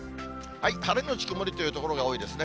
晴れ後曇りという所が多いですね。